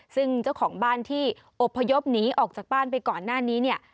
ซึ่งเจ้าของบ้านที่อบพยพหนีออกจากบ้านไปก่อนหน้านี้เนี่ย